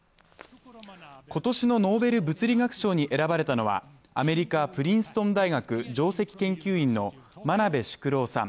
今年のノーベル物理学賞に選ばれたのはアメリカ・プリンストン大学上席研究員の真鍋淑郎さん。